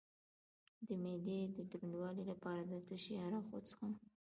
د معدې د دروندوالي لپاره د څه شي عرق وڅښم؟